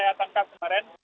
saya tangkap kemarin